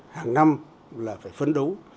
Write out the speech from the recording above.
hàng năm là phải phấn đấu